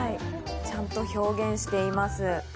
ちゃんと表現しています。